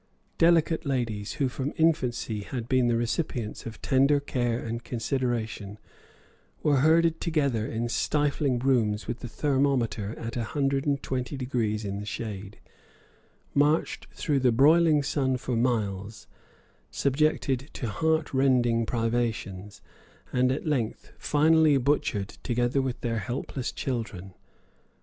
Delicate ladies, who from infancy had been the recipients of tender care and consideration, were herded together in stifling rooms with the thermometer at 120 deg. in the shade, marched through the broiling sun for miles, subjected to heart rending privations, and at length finally butchered, together with their helpless children.